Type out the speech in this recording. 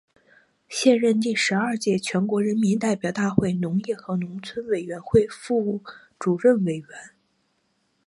现任第十二届全国人民代表大会农业与农村委员会副主任委员。